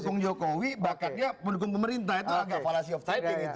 pendukung jokowi bakatnya pendukung pemerintah itu agak fallacy of the day